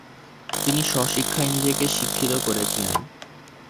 তিনি স্ব-শিক্ষায় নিজেকে শিক্ষিত করেছিলেন।